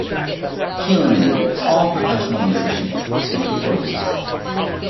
He eliminated all professional musicians save the organist.